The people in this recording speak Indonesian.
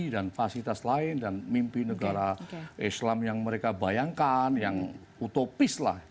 dan fasilitas lain dan mimpi negara islam yang mereka bayangkan yang utopis lah